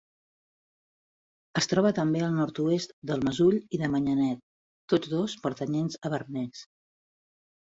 Es troba també al nord-oest del Mesull i de Manyanet, tots dos pertanyents a Benés.